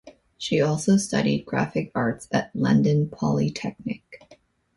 She also studied graphic arts at London Polytechnic.